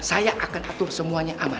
saya akan atur semuanya aman